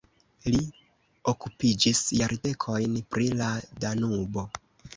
Li okupiĝis jardekojn pri la Danubo.